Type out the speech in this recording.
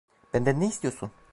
Benden ne istiyorsun?